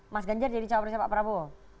mas ganjar jadi cawapresnya pak prabowo